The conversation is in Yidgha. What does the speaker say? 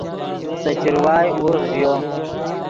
سے چروائے ورغ ژیو